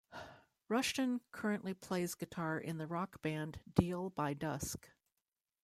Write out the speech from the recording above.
Rushton currently plays guitar in the rock band Deal by Dusk.